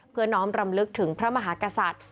น้องรำลึกถึงพระมหากษัตริย์